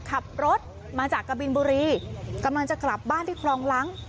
ขับรถมาจากกะบินบุรีกำลังจะกลับบ้านที่คลองหลัง